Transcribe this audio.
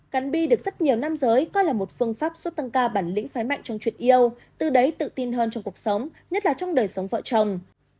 cắn bi được rất nhiều nam giới coi là một phương pháp giúp tăng ca bản lĩnh phái mạnh trong chuyện yêu từ đấy tự tin hơn trong cuộc sống nhất là trong đời sống vợ chồng